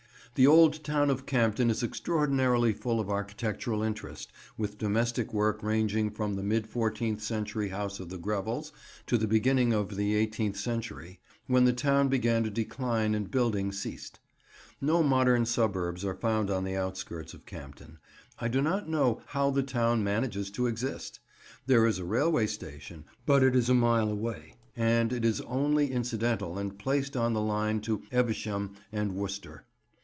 The old town of Campden is extraordinarily full of architectural interest; with domestic work ranging from the mid fourteenth century house of the Grevels to the beginning of the eighteenth century, when the town began to decline and building ceased. No modern suburbs are found on the outskirts of Campden. I do not know how the town manages to exist. There is a railway station, but it is a mile away and it is only incidental and placed on the line to Evesham and Worcester.